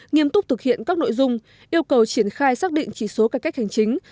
nghiêm túc thực hiện các nội dung yêu cầu triển khai xác định chỉ số cải cách hành chính